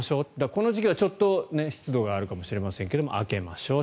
この時期はちょっと湿度があるかもしれませんが空けましょう。